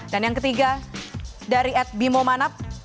dan yang ketiga dari ed bimo manap